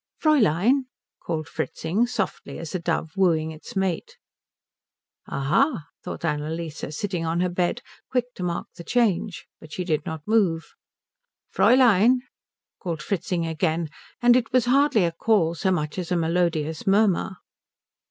"Fräulein," called Fritzing, softly as a dove wooing its mate. "Aha," thought Annalise, sitting on her bed, quick to mark the change; but she did not move. "Fräulein," called Fritzing again; and it was hardly a call so much as a melodious murmur.